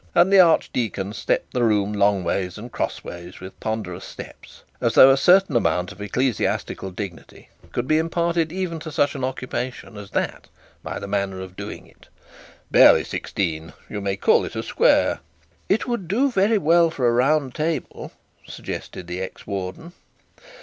and the archdeacon stepped the room long ways and cross ways with ponderous steps, as though a certain amount of ecclesiastical dignity could be imparted even to such an occupation as that by the manner of doing it. 'Barely sixteen; you may call it a square.' 'It would do very well for a round table,' suggested the ex warden.